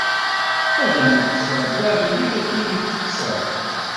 Ad am-yekkes Ṛebbi aɣilif akka iyi-t-tekkseḍ.